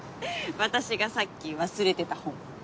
私がさっき忘れてた本。